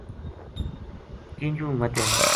کینجو مدھے